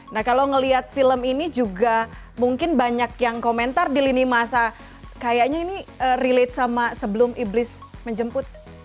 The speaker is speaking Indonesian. nah kalau ngelihat film ini juga mungkin banyak yang komentar di lini masa kayaknya ini relate sama sebelum iblis menjemput